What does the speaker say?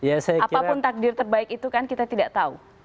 apapun takdir terbaik itu kan kita tidak tahu